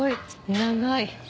長い！